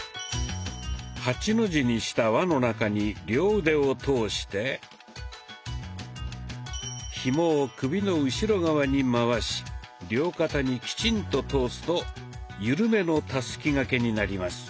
８の字にした輪の中に両腕を通してひもを首の後ろ側に回し両肩にきちんと通すとゆるめの「たすき掛け」になります。